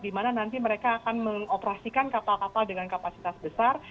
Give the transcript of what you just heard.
di mana nanti mereka akan mengoperasikan kapal kapal dengan kapasitas besar